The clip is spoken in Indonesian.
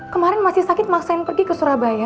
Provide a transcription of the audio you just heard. kemarin masih sakit masain pergi ke surabaya